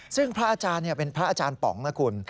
ซึ่งพระอาจารย์เป็นพระอาจารย์ป๋องนะคุณ